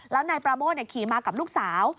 แล้วนายปราโมทขี่มากับลูกสาว